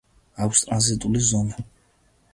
აქვს ტრანზიტული ზონა.